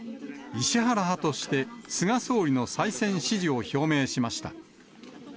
石原派として、菅総理の再選支持を表明しました。